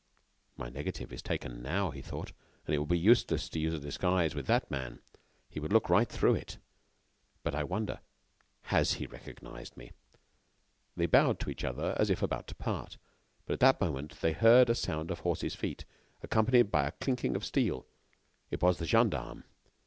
"My negative is taken now," he thought, "and it will be useless to use a disguise with that man. He would look right through it. But, I wonder, has he recognized me?" They bowed to each other as if about to part. But, at that moment, they heard a sound of horses' feet, accompanied by a clinking of steel. It was the gendarmes.